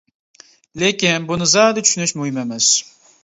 لېكىن بۇنى زادى چۈشىنىش مۇھىم ئەمەس.